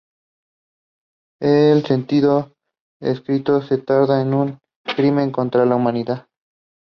En sentido estricto, se trata de un crimen contra la humanidad.